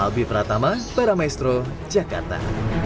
albi pratama baramaestro jakarta